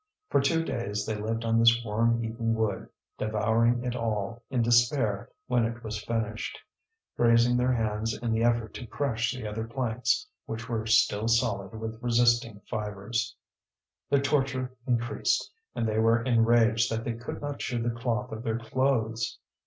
For two days they lived on this worm eaten wood, devouring it all, in despair when it was finished, grazing their hands in the effort to crush the other planks which were still solid with resisting fibres. Their torture increased, and they were enraged that they could not chew the cloth of their clothes.